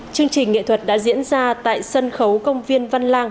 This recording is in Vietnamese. chương trình nghệ thuật đã diễn ra tại sân khấu công viên văn lang